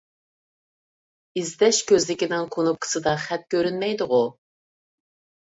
ئىزدەش كۆزنىكىنىڭ كۇنۇپكىسىدا خەت كۆرۈنمەيدىغۇ؟